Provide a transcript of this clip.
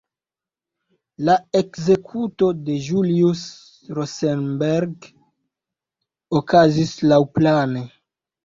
La ekzekuto de Julius Rosenberg okazis laŭplane.